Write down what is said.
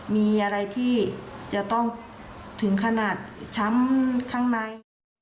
มีอะไรที่จะต้องถึงขนาดช้ำข้างใน